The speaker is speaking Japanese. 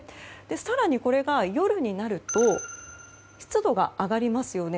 更に、これが夜になると湿度が上がりますよね。